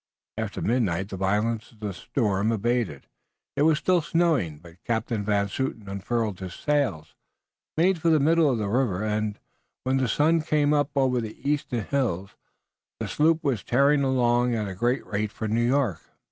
After midnight the violence of the storm abated. It was still snowing, but Captain Van Zouten unfurled his sails, made for the middle of the river, and, when the sun came up over the eastern hills, the sloop was tearing along at a great rate for New York.